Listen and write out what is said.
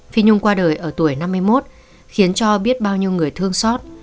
phi nhung qua đời ở tuổi năm mươi một khiến cho biết bao nhiêu người thương xót